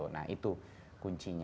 nah itu kuncinya